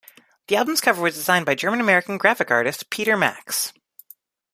The album's cover was designed by German-American graphic artist Peter Max.